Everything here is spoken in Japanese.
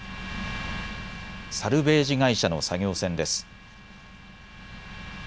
サルベージ会社の作業船です。